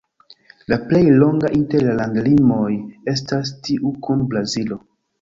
La plej longa inter la landlimoj estas tiu kun Brazilo.